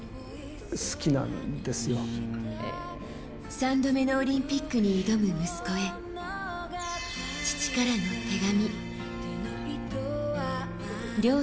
３度目のオリンピックに挑む息子へ父からの手紙。